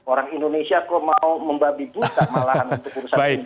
orang indonesia kok mau membabi buka malahan untuk urusan ini